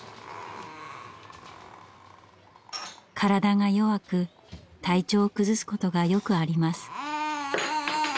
体が弱く体調を崩すことがよくあります。